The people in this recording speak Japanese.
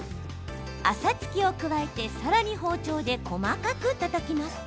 あさつきを加えてさらに包丁で細かくたたきます。